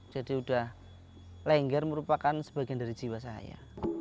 jadi udah lengger merupakan sebagian dari jiwa saya